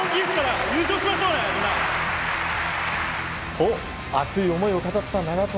と、熱い思いを語った長友。